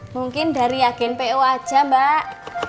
mungkin dari agen po aja mbak